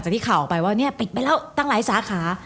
ที่ข่าวออกไปว่าเนี่ยปิดไปแล้วตั้งหลายสาขา